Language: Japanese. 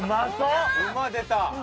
「うんま」出た！